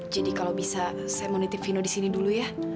jadi kalau bisa saya mau nitip vino di sini dulu ya